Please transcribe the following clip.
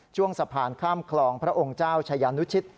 ช่วงสะพานข้ามคลองพระองค์เจ้าชายานุชิต